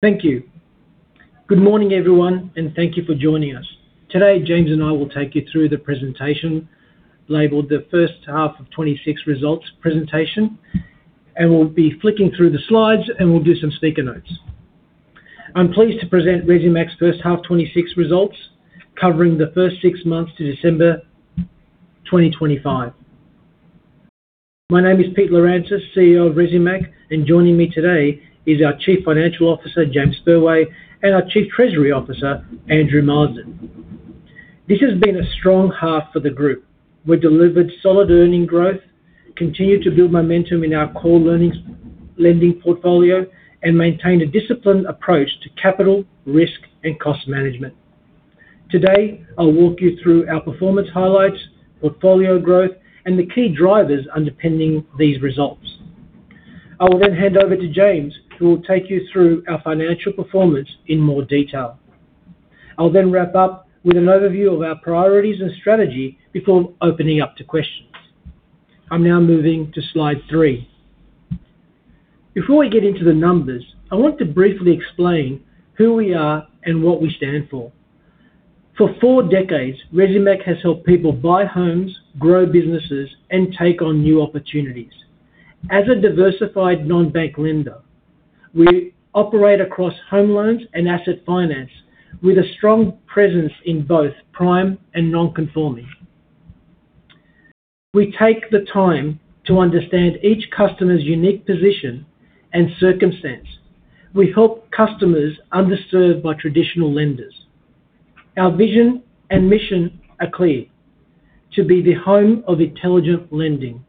Thank you. Good morning, everyone, and thank you for joining us. Today, James and I will take you through the presentation, labeled the first half of 2026 results presentation, and we'll be flicking through the slides, and we'll do some speaker notes. I'm pleased to present Resimac's first half 2026 results, covering the first six months to December 2025. My name is Pete Lirantzis, CEO of Resimac, and joining me today is our Chief Financial Officer, James Spurway, and our Chief Treasury Officer, Andrew Marsden. This has been a strong half for the group. We delivered solid earning growth, continued to build momentum in our core lending portfolio, and maintained a disciplined approach to capital, risk, and cost management. Today, I'll walk you through our performance highlights, portfolio growth, and the key drivers underpinning these results. I will hand over to James, who will take you through our financial performance in more detail. I'll wrap up with an overview of our priorities and strategy before opening up to questions. I'm now moving to slide three. Before we get into the numbers, I want to briefly explain who we are and what we stand for. For four decades, Resimac has helped people buy homes, grow businesses, and take on new opportunities. As a diversified non-bank lender, we operate across home loans and asset finance with a strong presence in both prime and non-conforming. We take the time to understand each customer's unique position and circumstance. We help customers underserved by traditional lenders. Our vision and mission are clear: to be the home of intelligent lending,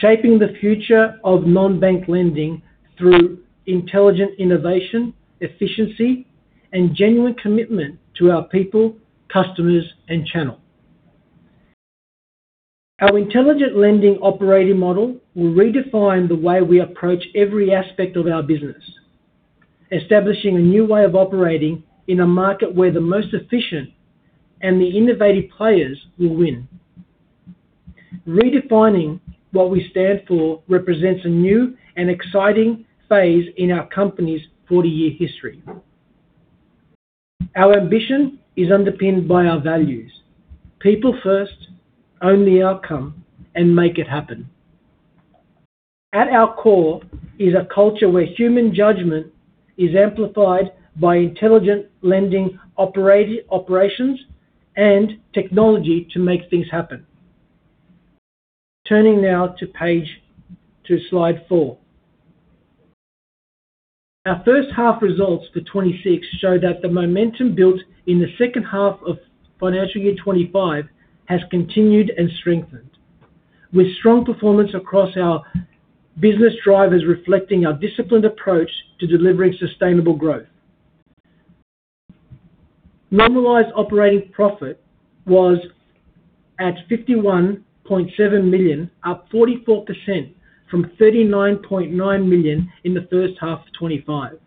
shaping the future of non-bank lending through intelligent innovation, efficiency, and genuine commitment to our people, customers, and channel. Our intelligent lending operating model will redefine the way we approach every aspect of our business, establishing a new way of operating in a market where the most efficient and the innovative players will win. Redefining what we stand for represents a new and exciting phase in our company's 40-year history. Our ambition is underpinned by our values: people first, own the outcome, and make it happen. At our core is a culture where human judgment is amplified by intelligent lending operations and technology to make things happen. Turning now to slide four. Our first half results for 2026 show that the momentum built in the second half of financial year 2025 has continued and strengthened, with strong performance across our business drivers reflecting our disciplined approach to delivering sustainable growth. Normalized operating profit was at 51.7 million, up 44% from 39.9 million in the first half of 2025.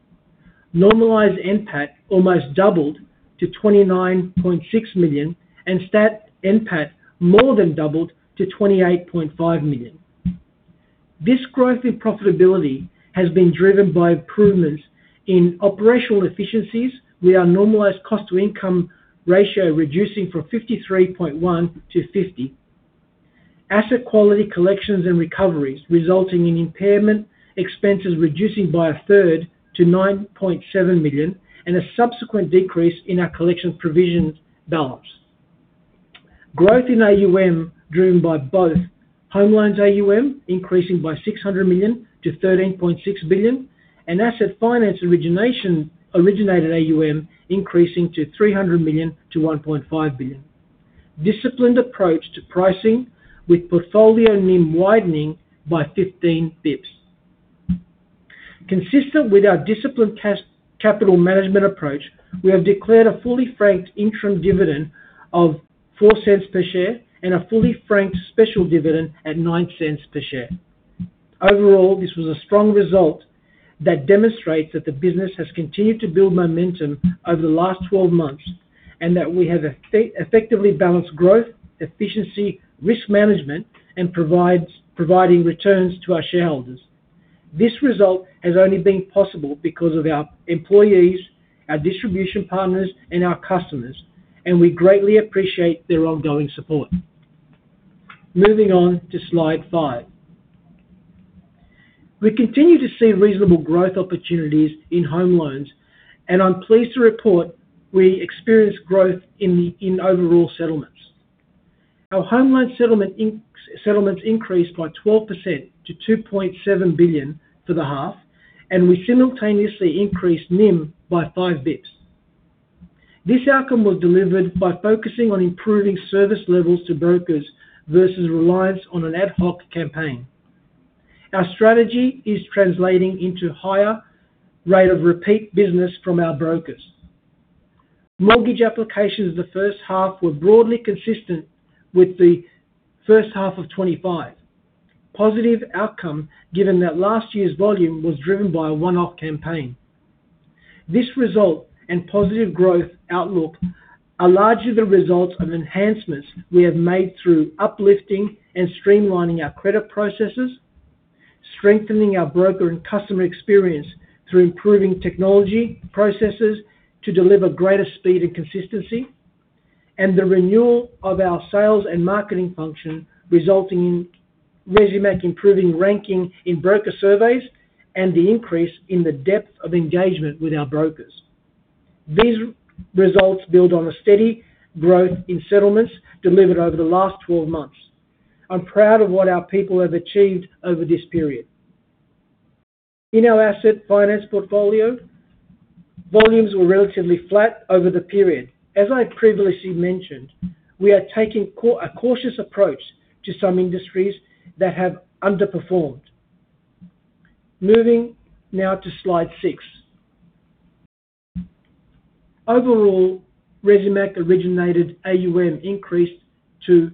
Normalized NPAT almost doubled to 29.6 million, and stat NPAT more than doubled to 28.5 million. This growth in profitability has been driven by improvements in operational efficiencies, with our normalized cost-to-income ratio reducing from 53.1-50. Asset quality collections and recoveries, resulting in impairment expenses reducing by a third to 9.7 million and a subsequent decrease in our collections provision balance. Growth in AUM, driven by both home loans AUM, increasing by 600 million to 13.6 billion, and asset finance origination, originated AUM, increasing to 300 million to 1.5 billion. Disciplined approach to pricing with portfolio NIM widening by 15 basis points. Consistent with our disciplined capital management approach, we have declared a fully franked interim dividend of 0.04 per share and a fully franked special dividend at 0.09 per share. Overall, this was a strong result that demonstrates that the business has continued to build momentum over the last 12 months and that we have effectively balanced growth, efficiency, risk management, and providing returns to our shareholders. This result has only been possible because of our employees, our distribution partners, and our customers, and we greatly appreciate their ongoing support. Moving on to slide 5. We continue to see reasonable growth opportunities in home loans, and I'm pleased to report we experienced growth in overall settlements. Our home loan settlements increased by 12% to 2.7 billion for the half, and we simultaneously increased NIM by 5 basis points. This outcome was delivered by focusing on improving service levels to brokers versus reliance on an ad hoc campaign. Our strategy is translating into higher rate of repeat business from our brokers. Mortgage applications in the first half were broadly consistent with the first half of 2025. Positive outcome, given that last year's volume was driven by a one-off campaign. This result and positive growth outlook are largely the results of enhancements we have made through uplifting and streamlining our credit processes, strengthening our broker and customer experience through improving technology processes to deliver greater speed and consistency, and the renewal of our sales and marketing function, resulting in Resimac improving ranking in broker surveys and the increase in the depth of engagement with our brokers. These results build on a steady growth in settlements delivered over the last 12 months. I'm proud of what our people have achieved over this period. In our asset finance portfolio, volumes were relatively flat over the period. As I previously mentioned, we are taking a cautious approach to some industries that have underperformed. Moving now to slide six. Overall, Resimac originated AUM increased to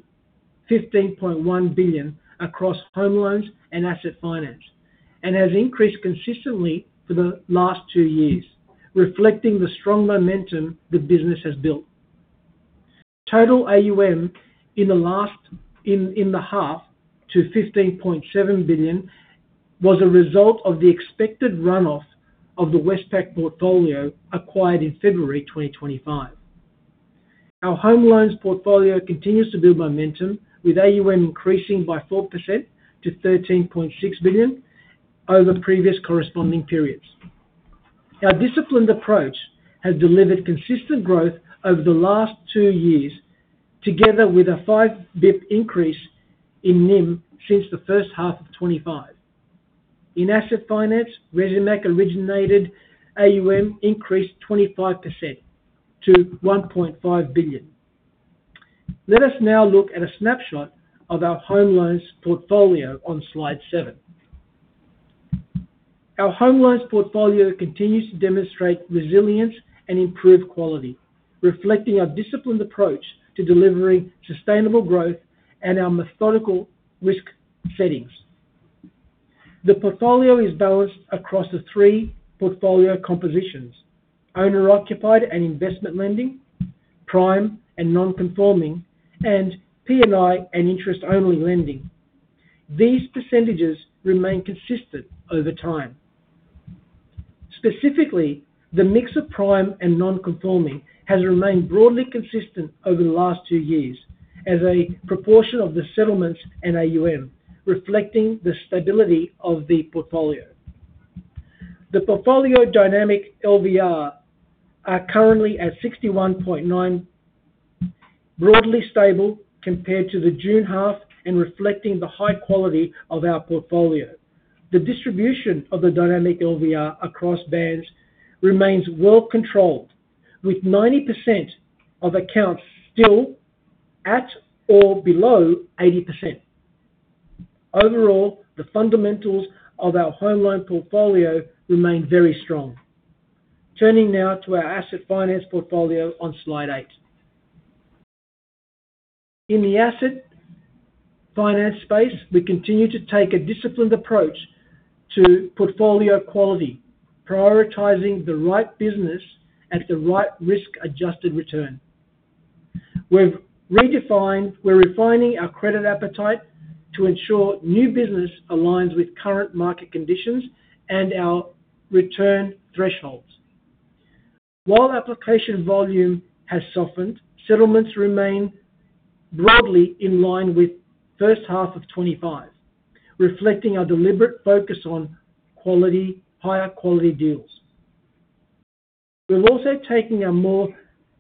15.1 billion across home loans and asset finance, and has increased consistently for the last two years, reflecting the strong momentum the business has built. Total AUM in the half to 15.7 billion, was a result of the expected run-off of the Westpac portfolio acquired in February 2025. Our home loans portfolio continues to build momentum, with AUM increasing by 4% to 13.6 billion over previous corresponding periods. Our disciplined approach has delivered consistent growth over the last two years, together with a 5 basis points increase in NIM since the first half of 2025. In asset finance, Resimac originated AUM increased 25% to 1.5 billion. Let us now look at a snapshot of our home loans portfolio on slide seven. Our home loans portfolio continues to demonstrate resilience and improved quality, reflecting our disciplined approach to delivering sustainable growth and our methodical risk settings. The portfolio is balanced across the three portfolio compositions: owner-occupied and investment lending, prime and non-conforming, and P&I and interest-only lending. These percentages remain consistent over time. Specifically, the mix of prime and non-conforming has remained broadly consistent over the last two years as a proportion of the settlements and AUM, reflecting the stability of the portfolio. The portfolio dynamic LVR are currently at 61.9%, broadly stable compared to the June half and reflecting the high quality of our portfolio. The distribution of the dynamic LVR across bands remains well controlled, with 90% of accounts still at or below 80%. The fundamentals of our home loan portfolio remain very strong. Turning now to our asset finance portfolio on slide eight. In the asset finance space, we continue to take a disciplined approach to portfolio quality, prioritizing the right business at the right risk-adjusted return. We're refining our credit appetite to ensure new business aligns with current market conditions and our return thresholds. While application volume has softened, settlements remain broadly in line with 1H 2025, reflecting our deliberate focus on quality, higher quality deals. We're also taking a more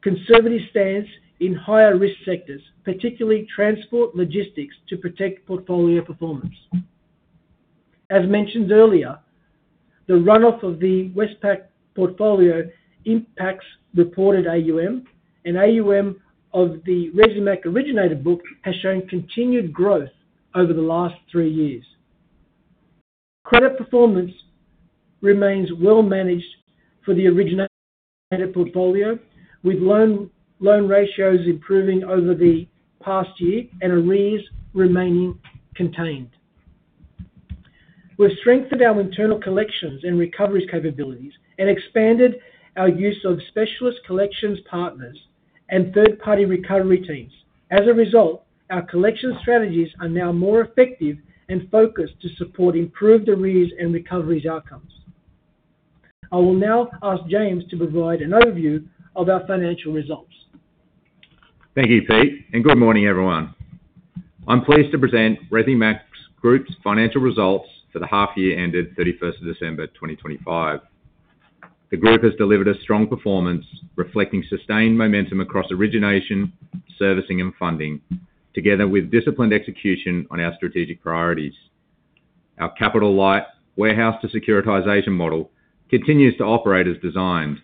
conservative stance in higher risk sectors, particularly transport logistics, to protect portfolio performance. As mentioned earlier, the run-off of the Westpac portfolio impacts reported AUM, and AUM of the Resimac originated book has shown continued growth over the last three years. Credit performance remains well managed for the originated portfolio, with loan ratios improving over the past year and arrears remaining contained. We've strengthened our internal collections and recoveries capabilities and expanded our use of specialist collections partners and third-party recovery teams. As a result, our collection strategies are now more effective and focused to support improved arrears and recoveries outcomes. I will now ask James to provide an overview of our financial results. Thank you, Pete. Good morning, everyone. I'm pleased to present Resimac Group's financial results for the half year ended 31st of December, 2025. The group has delivered a strong performance, reflecting sustained momentum across origination, servicing, and funding, together with disciplined execution on our strategic priorities. Our capital light warehouse to securitization model continues to operate as designed,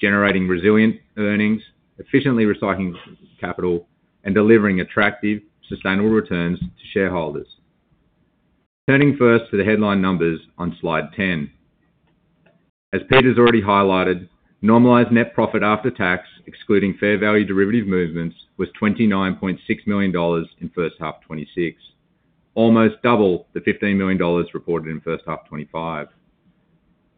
generating resilient earnings, efficiently recycling capital, and delivering attractive, sustainable returns to shareholders. Turning first to the headline numbers on slide 10. As Pete already highlighted, normalized net profit after tax, excluding fair value derivative movements, was 29.6 million dollars in 1H 2026, almost double the 15 million dollars reported in 1H 2025.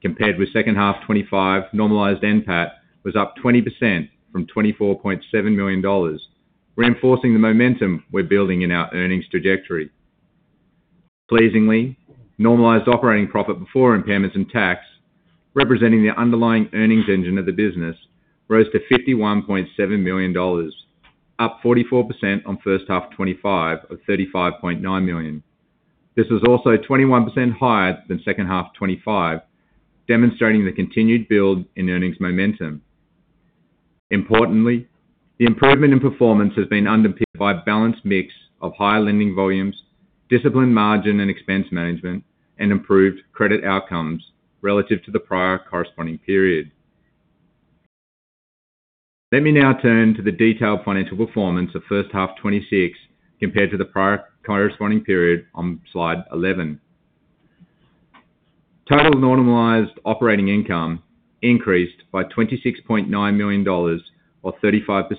Compared with 2H 2025, normalized NPAT was up 20% from 24.7 million dollars, reinforcing the momentum we're building in our earnings trajectory. Pleasingly, normalized operating profit before impairments and tax, representing the underlying earnings engine of the business, rose to 51.7 million dollars, up 44% on first half 2025 of 35.9 million. This is also 21% higher than second half 2025, demonstrating the continued build in earnings momentum. Importantly, the improvement in performance has been underpinned by a balanced mix of higher lending volumes, disciplined margin and expense management, and improved credit outcomes relative to the prior corresponding period. Let me now turn to the detailed financial performance of first half 2026 compared to the prior corresponding period on slide 11. Total normalized operating income increased by 26.9 million dollars, or 35%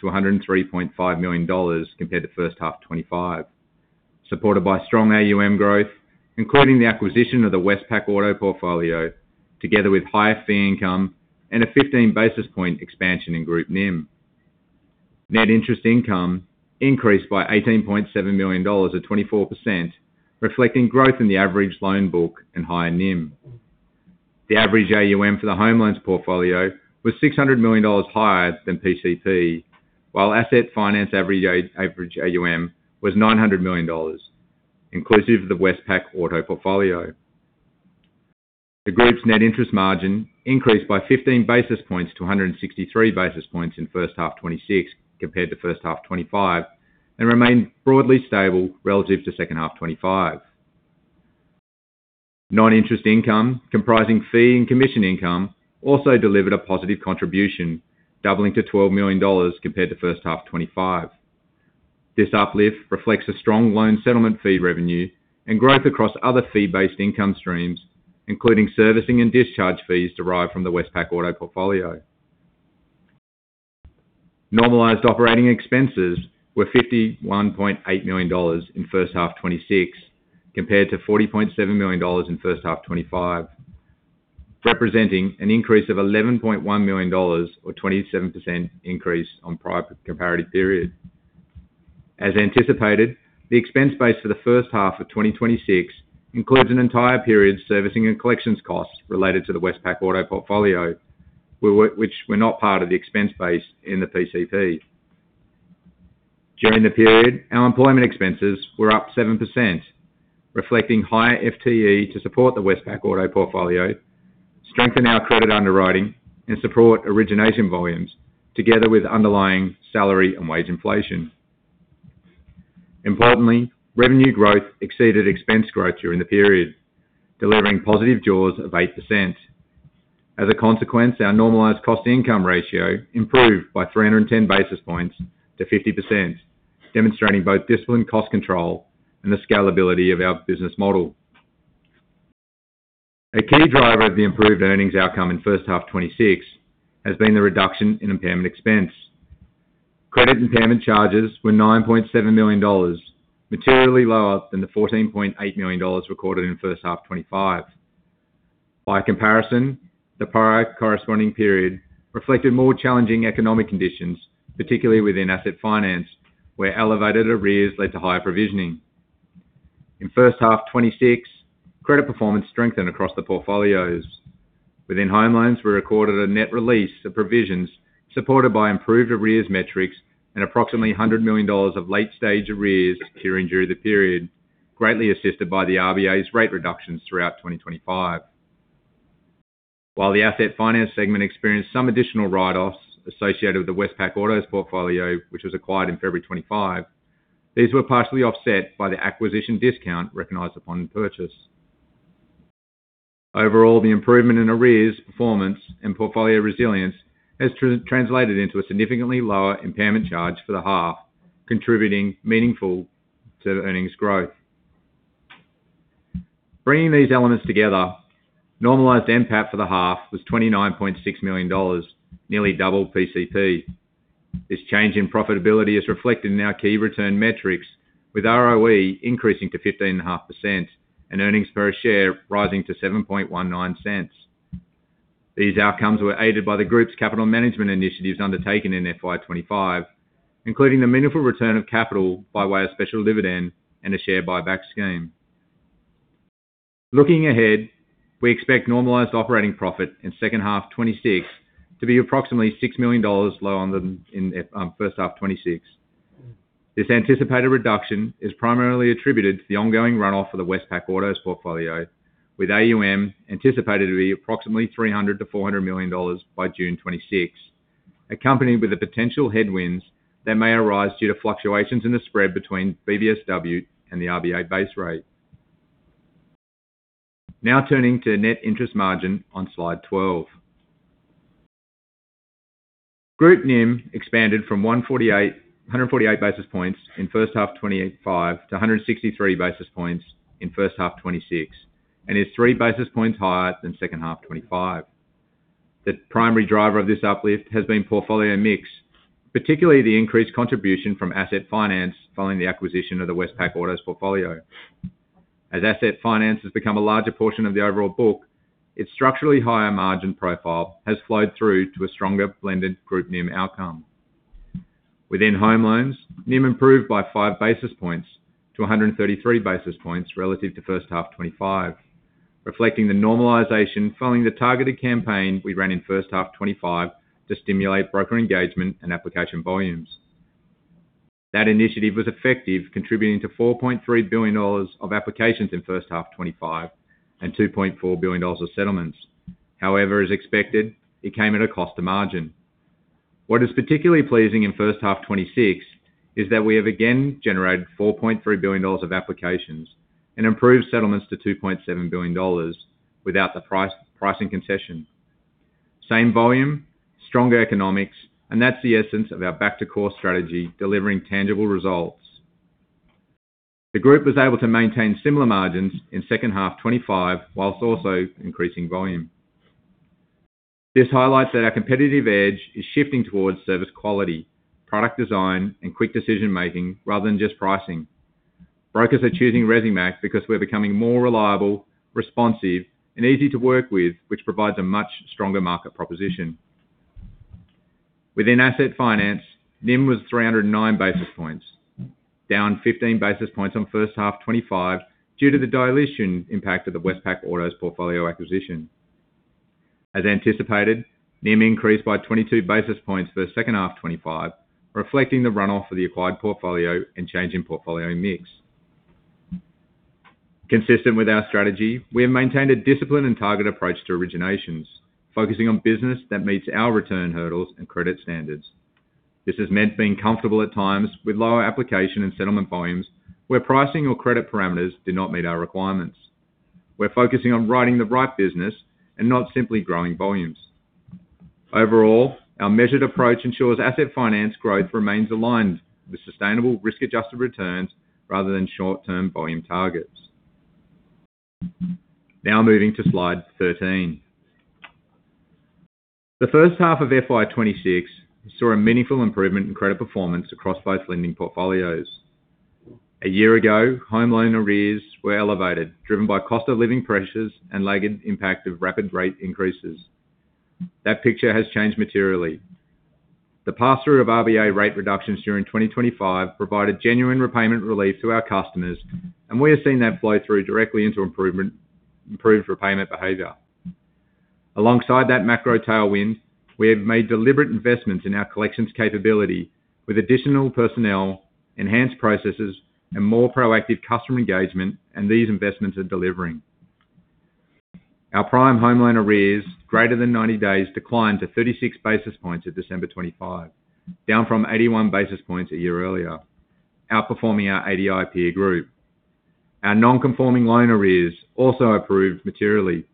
to 103.5 million dollars compared to 1H 2025, supported by strong AUM growth, including the acquisition of the Westpac Auto portfolio, together with higher fee income and a 15 basis point expansion in Group NIM. Net interest income increased by 18.7 million dollars at 24%, reflecting growth in the average loan book and higher NIM. The average AUM for the home loans portfolio was 600 million dollars higher than PCP, while asset finance average AUM was 900 million dollars, inclusive of the Westpac Auto portfolio. The group's net interest margin increased by 15 basis points to 163 basis points in 1H 2026, compared to 1H 2025, and remained broadly stable relative to 2H 2025. Non-interest income, comprising fee and commission income, also delivered a positive contribution, doubling to 12 million dollars compared to 1H 2025. This uplift reflects a strong loan settlement fee revenue and growth across other fee-based income streams, including servicing and discharge fees derived from the Westpac Auto portfolio. Normalized operating expenses were 51.8 million dollars in 1H 2026, compared to 40.7 million dollars in 1H 2025, representing an increase of 11.1 million dollars or 27% increase on prior comparative period. As anticipated, the expense base for the first half of 2026 includes an entire period servicing and collections costs related to the Westpac Auto portfolio, which were not part of the expense base in the PCP. During the period, our employment expenses were up 7%, reflecting higher FTE to support the Westpac Auto portfolio, strengthen our credit underwriting, and support origination volumes together with underlying salary and wage inflation. Importantly, revenue growth exceeded expense growth during the period, delivering positive jaws of 8%. As a consequence, our normalized cost-to-income ratio improved by 310 basis points to 50%, demonstrating both disciplined cost control and the scalability of our business model. A key driver of the improved earnings outcome in first half 2026 has been the reduction in impairment expense. Credit impairment charges were 9.7 million dollars, materially lower than the 14.8 million dollars recorded in first half 2025. By comparison, the prior corresponding period reflected more challenging economic conditions, particularly within asset finance, where elevated arrears led to higher provisioning. In 1H 2026, credit performance strengthened across the portfolios. Within home loans, we recorded a net release of provisions supported by improved arrears metrics and approximately 100 million dollars of late-stage arrears clearing during the period, greatly assisted by the RBA's rate reductions throughout 2025. While the asset finance segment experienced some additional write-offs associated with the Westpac Auto portfolio, which was acquired in February 2025, these were partially offset by the acquisition discount recognized upon purchase. Overall, the improvement in arrears, performance, and portfolio resilience has translated into a significantly lower impairment charge for the half, contributing meaningful to earnings growth. Bringing these elements together, normalized NPAT for the half was 29.6 million dollars, nearly double PCP. This change in profitability is reflected in our key return metrics, with ROE increasing to 15.5% and earnings per share rising to 0.0719. These outcomes were aided by the group's capital management initiatives undertaken in FY 2025, including the meaningful return of capital by way of special dividend and a share buyback scheme. Looking ahead, we expect normalized operating profit in 2H 2026 to be approximately AUD 6 million lower than in 1H 2026. This anticipated reduction is primarily attributed to the ongoing runoff of the Westpac Auto portfolio, with AUM anticipated to be approximately 300 million-400 million dollars by June 2026, accompanied with the potential headwinds that may arise due to fluctuations in the spread between BBSW and the RBA base rate. Turning to net interest margin on slide 12. Group NIM expanded from 148 basis points in 1H 2025 to 163 basis points in 1H 2026, and is 3 basis points higher than 2H 2025. The primary driver of this uplift has been portfolio mix, particularly the increased contribution from asset finance following the acquisition of the Westpac Auto portfolio. As asset finance has become a larger portion of the overall book, its structurally higher margin profile has flowed through to a stronger blended group NIM outcome. Within home loans, NIM improved by 5 basis points to 133 basis points relative to 1H 2025, reflecting the normalization following the targeted campaign we ran in 1H 2025 to stimulate broker engagement and application volumes. That initiative was effective, contributing to 4.3 billion dollars of applications in 1H 2025, and 2.4 billion dollars of settlements. As expected, it came at a cost to margin. What is particularly pleasing in 1H 2026, is that we have again generated 4.3 billion dollars of applications and improved settlements to 2.7 billion dollars without the pricing concession. Same volume, stronger economics, that's the essence of our back-to-core strategy, delivering tangible results. The group was able to maintain similar margins in 2H 2025, while also increasing volume. This highlights that our competitive edge is shifting towards service quality, product design, and quick decision-making, rather than just pricing. Brokers are choosing Resimac because we're becoming more reliable, responsive, and easy to work with, which provides a much stronger market proposition. Within asset finance, NIM was 309 basis points, down 15 basis points on 1H 2025 due to the dilution impact of the Westpac Auto portfolio acquisition. As anticipated, NIM increased by 22 basis points for the second half 2025, reflecting the run-off of the acquired portfolio and change in portfolio mix. Consistent with our strategy, we have maintained a disciplined and targeted approach to originations, focusing on business that meets our return hurdles and credit standards. This has meant being comfortable at times with lower application and settlement volumes, where pricing or credit parameters do not meet our requirements. We're focusing on writing the right business and not simply growing volumes. Overall, our measured approach ensures asset finance growth remains aligned with sustainable risk-adjusted returns rather than short-term volume targets. Now moving to slide 13. The first half of FY 2026 saw a meaningful improvement in credit performance across both lending portfolios. A year ago, home loan arrears were elevated, driven by cost of living pressures and lagged impact of rapid rate increases. That picture has changed materially. The pass-through of RBA rate reductions during 2025 provided genuine repayment relief to our customers. We have seen that flow through directly into improved repayment behavior. Alongside that macro tailwind, we have made deliberate investments in our collections capability with additional personnel, enhanced processes, and more proactive customer engagement. These investments are delivering. Our prime home loan arrears greater than 90 days declined to 36 basis points at December 25, down from 81 basis points a year earlier, outperforming our ADI peer group. Our non-conforming loan arrears also improved materially,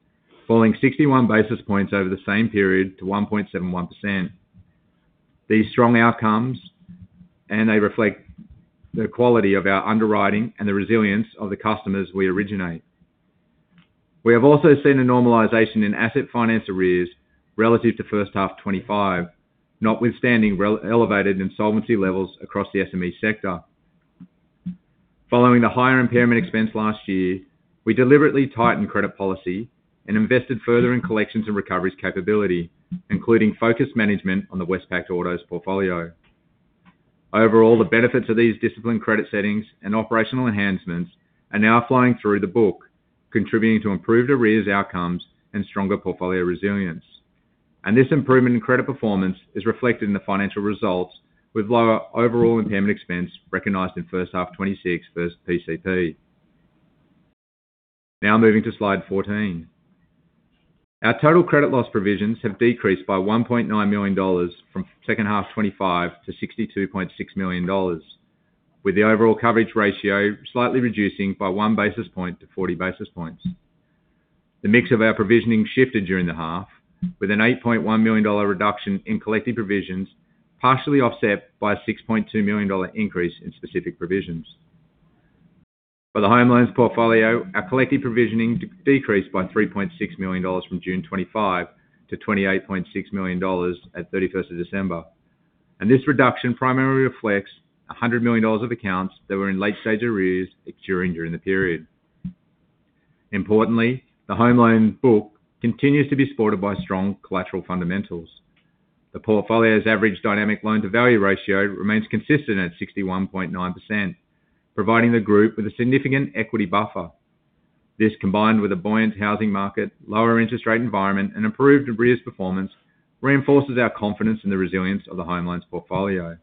falling 61 basis points over the same period to 1.71%. These strong outcomes, they reflect the quality of our underwriting and the resilience of the customers we originate. We have also seen a normalization in asset finance arrears relative to first half 2025, notwithstanding elevated insolvency levels across the SME sector. Following the higher impairment expense last year, we deliberately tightened credit policy and invested further in collections and recoveries capability, including focused management on the Westpac Autos portfolio. Overall, the benefits of these disciplined credit settings and operational enhancements are now flowing through the book, contributing to improved arrears outcomes and stronger portfolio resilience. This improvement in credit performance is reflected in the financial results, with lower overall impairment expense recognized in first half 2026 versus PCP. Now moving to Slide 14. Our total credit loss provisions have decreased by 1.9 million dollars from second half 2025 to 62.6 million dollars, with the overall coverage ratio slightly reducing by 1 basis point to 40 basis points. The mix of our provisioning shifted during the half, with an 8.1 million dollar reduction in collective provisions, partially offset by an 6.2 million dollar increase in specific provisions. For the home loans portfolio, our collective provisioning decreased by 3.6 million dollars from June 2025 to 28.6 million dollars at 31st of December. This reduction primarily reflects 100 million dollars of accounts that were in late-stage arrears maturing during the period. Importantly, the home loan book continues to be supported by strong collateral fundamentals. The portfolio's average dynamic loan-to-value ratio remains consistent at 61.9%, providing the group with a significant equity buffer. This, combined with a buoyant housing market, lower interest rate environment, and improved arrears performance, reinforces our confidence in the resilience of the home loans portfolio.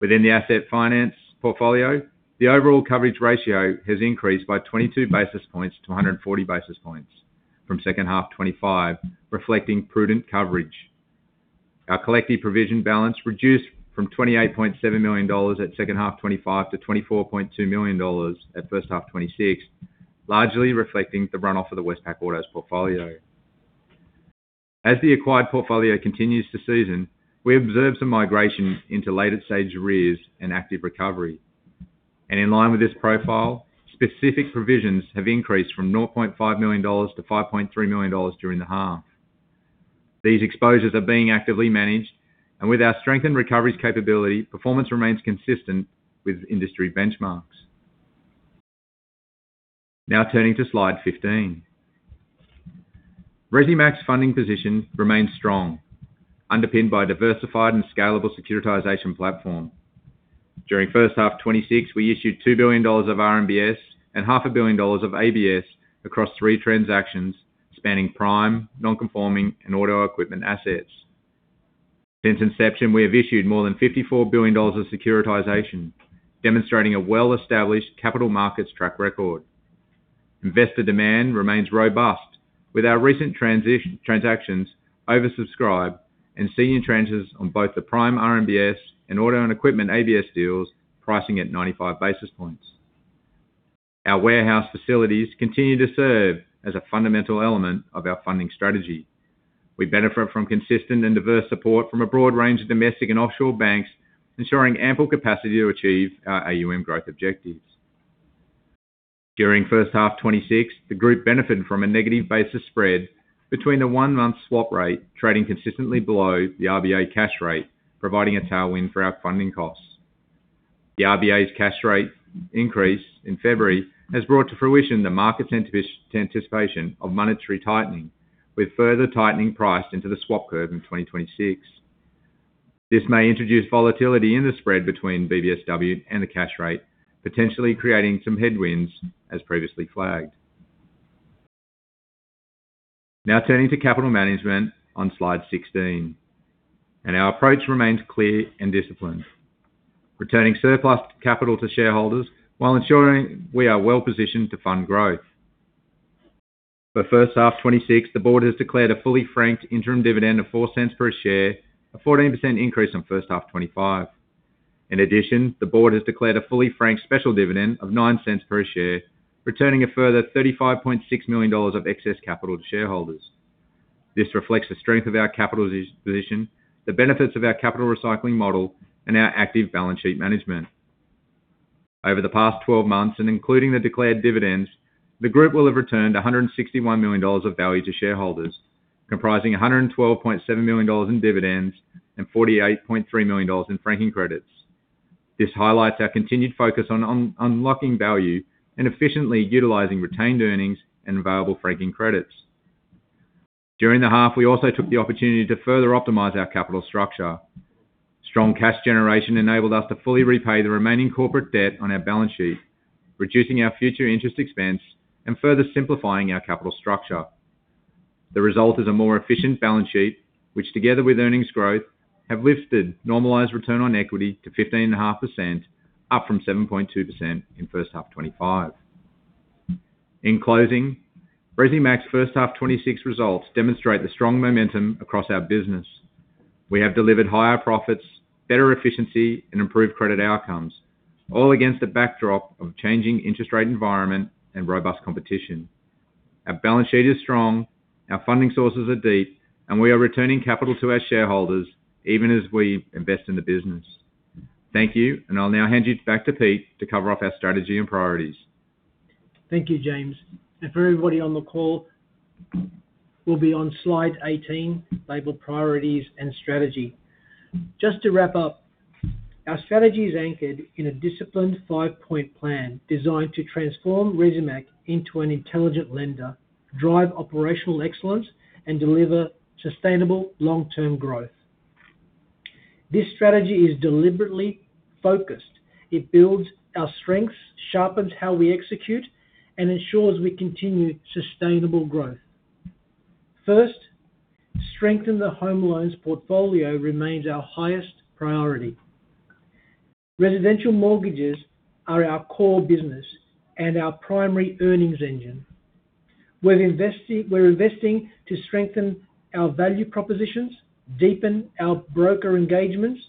Within the asset finance portfolio, the overall coverage ratio has increased by 22 basis points to 140 basis points from second half 2025, reflecting prudent coverage. Our collective provision balance reduced from 28.7 million dollars at second half 2025 to 24.2 million dollars at first half 2026, largely reflecting the run-off of the Westpac Auto portfolio. As the acquired portfolio continues to season, we observed some migration into later stage arrears and active recovery. In line with this profile, specific provisions have increased from 0.5 million-5.3 million dollars during the half. These exposures are being actively managed, and with our strengthened recovery capability, performance remains consistent with industry benchmarks. Turning to slide 15. Resimac's funding position remains strong, underpinned by a diversified and scalable securitization platform. During 1H 2026, we issued 2 billion dollars of RMBS and half a billion dollars of ABS across three transactions, spanning prime, non-conforming, and auto equipment assets. Since inception, we have issued more than 54 billion dollars of securitization, demonstrating a well-established capital markets track record. Investor demand remains robust, with our recent transactions oversubscribed and senior tranches on both the prime RMBS and auto and equipment ABS deals, pricing at 95 basis points. Our warehouse facilities continue to serve as a fundamental element of our funding strategy. We benefit from consistent and diverse support from a broad range of domestic and offshore banks, ensuring ample capacity to achieve our AUM growth objectives. During 1H 2026, the group benefited from a negative basis spread between the one-month swap rate, trading consistently below the RBA cash rate, providing a tailwind for our funding costs. The RBA's cash rate increase in February has brought to fruition the market's anticipation of monetary tightening, with further tightening priced into the swap curve in 2026. This may introduce volatility in the spread between BBSW and the cash rate, potentially creating some headwinds as previously flagged. Turning to capital management on slide 16, our approach remains clear and disciplined, returning surplus capital to shareholders while ensuring we are well positioned to fund growth. For 1H 2026, the board has declared a fully franked interim dividend of 0.04 per share, a 14% increase on 1H 2025. In addition, the board has declared a fully frank special dividend of 0.09 per share, returning a further 35.6 million dollars of excess capital to shareholders. This reflects the strength of our capital position, the benefits of our capital recycling model, and our active balance sheet management. Over the past 12 months, and including the declared dividends, the group will have returned 161 million dollars of value to shareholders, comprising 112.7 million dollars in dividends and 48.3 million dollars of franking credits. This highlights our continued focus on unlocking value and efficiently utilizing retained earnings and available franking credits. During the half, we also took the opportunity to further optimize our capital structure. Strong cash generation enabled us to fully repay the remaining corporate debt on our balance sheet, reducing our future interest expense and further simplifying our capital structure. The result is a more efficient balance sheet, which together with earnings growth, have lifted normalized return on equity to 15.5%, up from 7.2% in first half 2025. In closing, Resimac's first half 2026 results demonstrate the strong momentum across our business. We have delivered higher profits, better efficiency, and improved credit outcomes, all against the backdrop of changing interest rate environment and robust competition. Our balance sheet is strong, our funding sources are deep, and we are returning capital to our shareholders even as we invest in the business. Thank you, and I'll now hand you back to Pete to cover off our strategy and priorities. Thank you, James. For everybody on the call, we'll be on slide 18, labeled Priorities and Strategy. Just to wrap up, our strategy is anchored in a disciplined 5-point plan designed to transform Resimac into an intelligent lender, drive operational excellence, and deliver sustainable long-term growth. This strategy is deliberately focused. It builds our strengths, sharpens how we execute, and ensures we continue sustainable growth. First, strengthen the home loans portfolio remains our highest priority. Residential mortgages are our core business and our primary earnings engine. We're investing to strengthen our value propositions, deepen our broker engagements,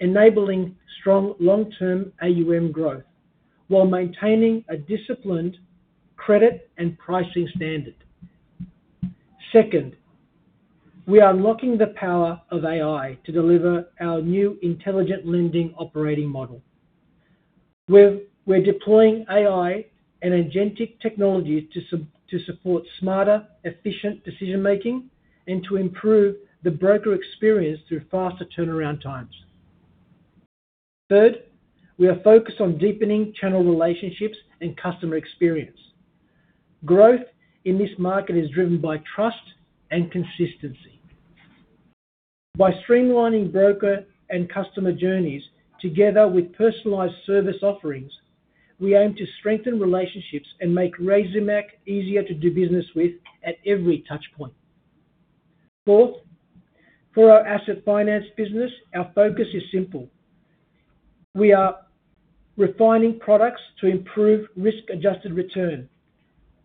enabling strong long-term AUM growth while maintaining a disciplined credit and pricing standard. Second, we are unlocking the power of AI to deliver our new intelligent lending operating model, where we're deploying AI and agentic technology to support smarter, efficient decision-making and to improve the broker experience through faster turnaround times. Third, we are focused on deepening channel relationships and customer experience. Growth in this market is driven by trust and consistency. By streamlining broker and customer journeys, together with personalized service offerings, we aim to strengthen relationships and make Resimac easier to do business with at every touchpoint. Fourth, for our asset finance business, our focus is simple: we are refining products to improve risk-adjusted return.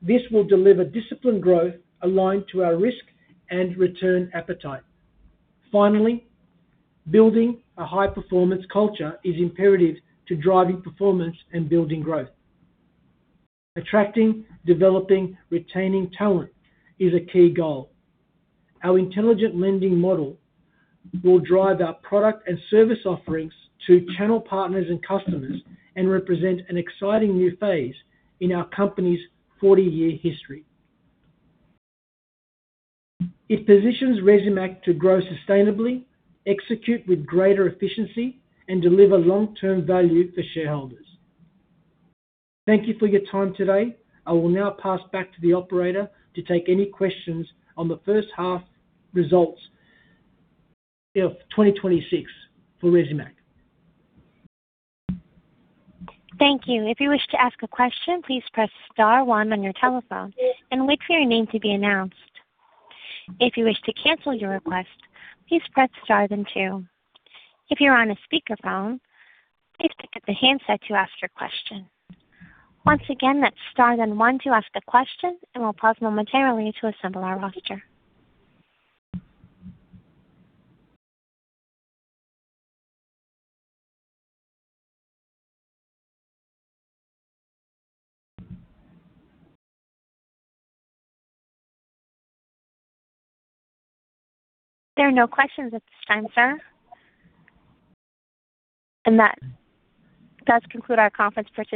This will deliver disciplined growth aligned to our risk and return appetite. Finally, building a high-performance culture is imperative to driving performance and building growth. Attracting, developing, retaining talent is a key goal. Our intelligent lending model will drive our product and service offerings to channel partners and customers and represent an exciting new phase in our company's 40-year history. It positions Resimac to grow sustainably, execute with greater efficiency, and deliver long-term value for shareholders. Thank you for your time today. I will now pass back to the operator to take any questions on the first half results of 2026 for Resimac. Thank you. If you wish to ask a question, please press star one on your telephone and wait for your name to be announced. If you wish to cancel your request, please press star then two. If you're on a speakerphone, please pick up the handset to ask your question. Once again, that's star then one to ask a question, and we'll pause momentarily to assemble our roster. There are no questions at this time, sir. That does conclude our conference for today.